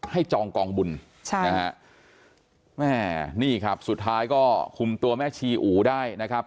ให้จองกองบุญสุดท้ายก็คุมตัวแม่ชีอู๋ได้นะครับ